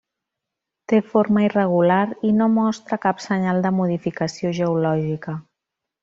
Té forma irregular i no mostra cap senyal de modificació geològica.